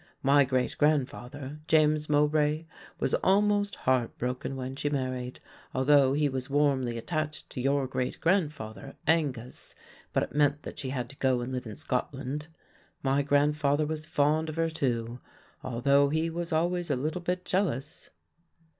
My great grandfather, James Mowbray, was almost heartbroken when she married, although he was warmly attached to your great grandfather, Angus, but it meant that she had to go and live in Scotland. My grandfather was fond of her, too, although he was always a little bit jealous."